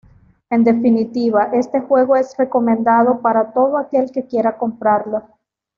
En definitiva, este juego es recomendado para todo aquel que quiera comprarlo.